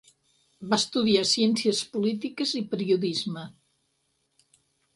Va estudiar Ciències Polítiques i Periodisme.